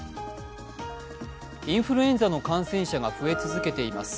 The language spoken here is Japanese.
インフルエンザの感染者が増え続けています。